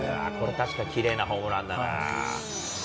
確かにキレイなホームランだな。